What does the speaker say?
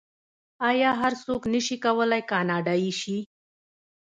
آیا هر څوک نشي کولی کاناډایی شي؟